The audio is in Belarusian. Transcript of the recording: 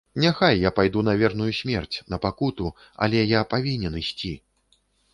Няхай я пайду на верную смерць, на пакуту, але я павінен ісці!